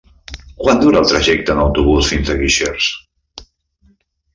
Quant dura el trajecte en autobús fins a Guixers?